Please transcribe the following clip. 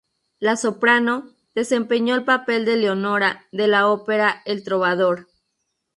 La soprano, desempeñó el papel de "Leonora" de la ópera El Trovador.